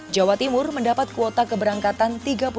jawa timur mendapat kuota keberangkatan